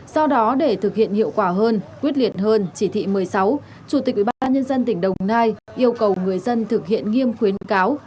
do đó để thực hiện hiệu quả hơn quyết liệt hơn chỉ thị một mươi sáu chủ tịch ubnd tỉnh đồng nai yêu cầu người dân thực hiện nghiêm khuyến cáo